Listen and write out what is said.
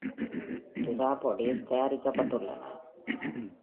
"Tetrabodies" தயாரிக்கப்பட்டுள்ளன.